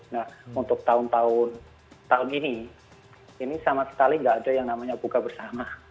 nah untuk tahun tahun ini ini sama sekali nggak ada yang namanya buka bersama